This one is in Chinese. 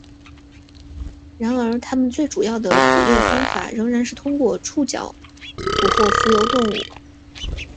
然而它们最主要的捕猎方法仍然是通过触角捕获浮游动物。